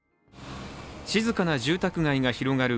静かな住宅街が広がる